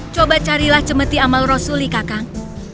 coba carilah cemeti amal rasulli kakang